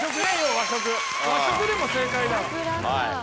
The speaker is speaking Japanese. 和食でも正解だわ。